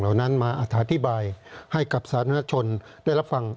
นั้นมาอธิบายให้กับสาธารณชนได้รับฟัง